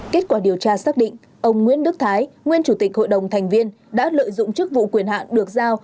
kết quả điều tra xác định ông nguyễn đức thái nguyên chủ tịch hội đồng thành viên đã lợi dụng chức vụ quyền hạn được giao